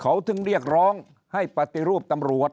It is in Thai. เขาถึงเรียกร้องให้ปฏิรูปตำรวจ